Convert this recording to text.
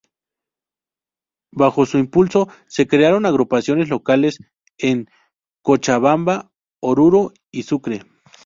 Bajo su impulso se crearon agrupaciones locales en Cochabamba, Oruro y Sucre.